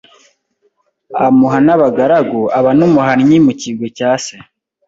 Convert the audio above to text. amuha n'abagaragu aba n'umuhannyi mu kigwi cya se